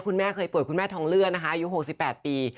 คุณแม่เคยปวดคุณแม่ท้องเลือดนะฮะอายุหกสิบแปดปี